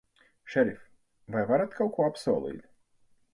Šerif, vai varat kaut ko apsolīt?